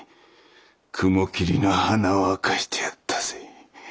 雲霧の鼻を明かしてやったぜ。